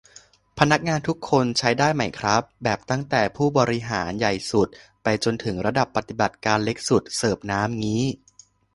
พนักงานทุกคนใช้ได้ไหมครับ แบบตั้งแต่ผู้บริหารใหญ่สุด ไปจนถึงระดับปฏิบัติการเล็กสุด เสิร์ฟน้ำงี้